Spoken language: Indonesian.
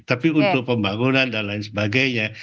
tapi untuk pembangunan dan lain sebagainya